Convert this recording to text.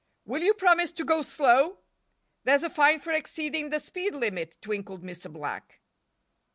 "Will you promise to go slow?" "There's a fine for exceeding the speed limit," twinkled Mr. Black.